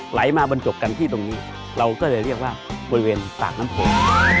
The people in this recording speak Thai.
ไหลมาบรรจบกันที่ตรงนี้เราก็เลยเรียกว่าบริเวณปากน้ำโพ